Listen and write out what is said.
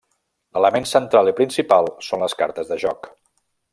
L'element central i principal són les cartes de joc.